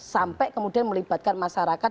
sampai kemudian melibatkan masyarakat